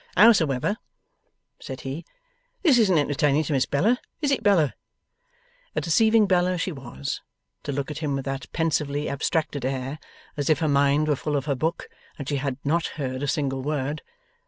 'Hows'ever,' said he, 'this isn't entertaining to Miss Bella. Is it, Bella?' A deceiving Bella she was, to look at him with that pensively abstracted air, as if her mind were full of her book, and she had not heard a single word!